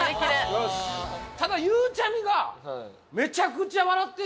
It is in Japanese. ただゆうちゃみがめちゃくちゃ笑ってんねん。